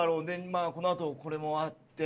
まあこのあとこれもあって。